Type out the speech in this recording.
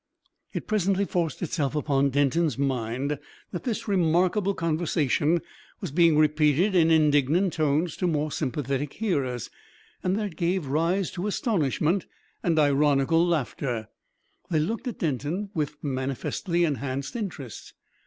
It presently forced itself upon Denton's mind that this remarkable conversation was being repeated in indignant tones to more sympathetic hearers, and that it gave rise to astonishment and ironical laughter. They looked at Denton with manifestly enhanced interest.